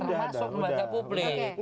termasuk di bancar publi